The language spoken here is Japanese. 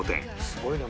すごいね。